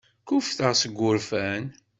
Kkuffteɣ seg wurfan.